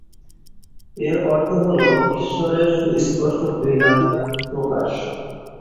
এর অর্থ হল "ঈশ্বরের সুস্পষ্ট ঘৃণা"র প্রকাশ।